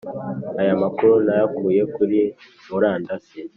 Aya makuru nayakuye kuri murandasi